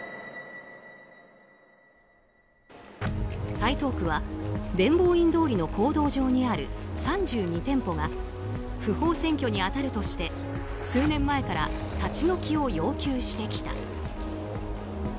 台東区は、伝法院通りの公道上にある３２店舗が不法占拠に当たるとして数年前から立ち退きを要求してきた。